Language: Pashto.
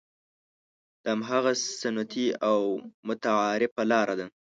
دا هماغه سنتي او متعارفه لاره ده.